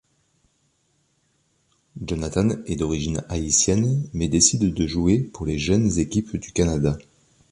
Jonathan est d'origine haïtienne mais décide de jouer pour les jeunes équipes du Canada.